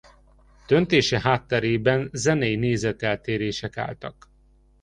Döntése hátterében zenei nézeteltérések álltak.